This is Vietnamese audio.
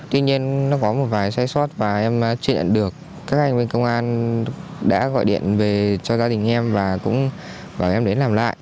tuy nhiên nó có một vài sai sót và em chưa nhận được các anh bên công an đã gọi điện về cho gia đình em và cũng bảo em đến làm lại